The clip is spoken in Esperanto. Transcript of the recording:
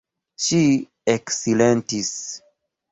Ŝi eksilentis.